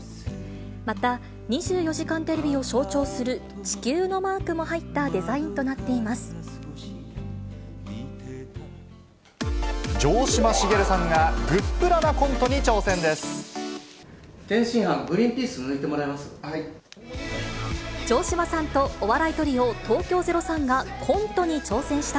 また、２４時間テレビを象徴する地球のマークも入ったデザインとなって城島茂さんが、グップラなコントに挑戦です。